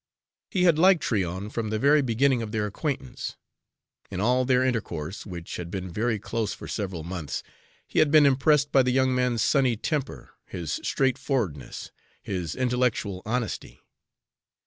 He had liked Tryon from the very beginning of their acquaintance. In all their intercourse, which had been very close for several months, he had been impressed by the young man's sunny temper, his straightforwardness, his intellectual honesty.